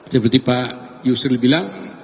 seperti pak yusril bilang